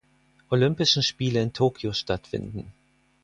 Olympischen Spiele in Tokio stattfanden.